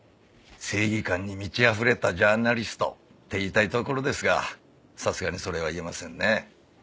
正義感に満ちあふれたジャーナリストって言いたいところですがさすがにそれは言えませんね。